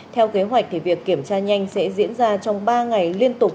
theo kế hoạch việc kiểm tra nhanh sẽ diễn ra trong ba ngày liên tục